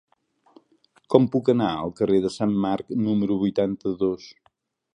Com puc anar al carrer de Sant Marc número vuitanta-dos?